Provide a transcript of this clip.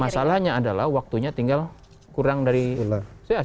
masalahnya adalah waktunya tinggal kurang dari sepuluh